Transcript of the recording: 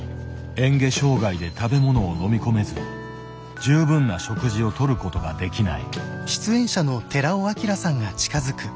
えん下障害で食べ物を飲み込めず十分な食事をとることができない。